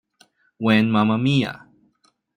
When Mamma Mia!